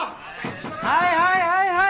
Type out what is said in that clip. はいはいはいはい！